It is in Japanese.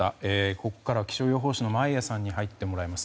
ここからは気象予報士の眞家さんに入ってもらいます。